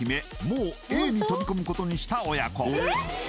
もうＡに飛び込むことにした親子